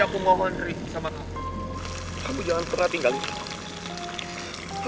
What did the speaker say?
aku janji aku tidak akan melakukan itu